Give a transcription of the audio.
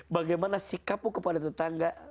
bagaimana sikapmu kepada tetangga